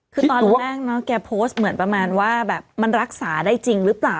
คือตอนแรกแกโพสต์เหมือนประมาณว่าแบบมันรักษาได้จริงหรือเปล่า